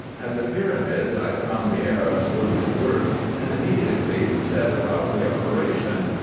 At the pyramids I found the Arabs willing to work, and im mediately set about the operation.